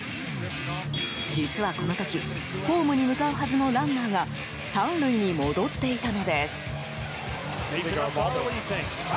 実は、この時ホームに向かうはずのランナーが３塁に戻っていたのです。